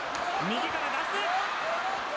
右から出す。